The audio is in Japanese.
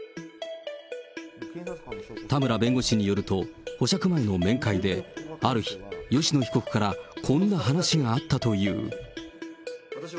田村弁護士によると、保釈前の面会で、ある日、吉野被告からこんな話があったという。